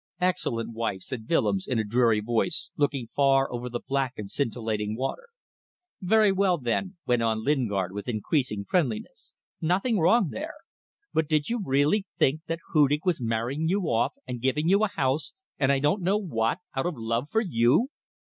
"Excellent wife," said Willems, in a dreary voice, looking far over the black and scintillating water. "Very well then," went on Lingard, with increasing friendliness. "Nothing wrong there. But did you really think that Hudig was marrying you off and giving you a house and I don't know what, out of love for you?"